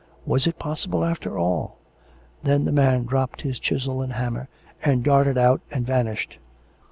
Was it possible, after all ! Then the man dropped his chisel and hammer and darted out and vanished.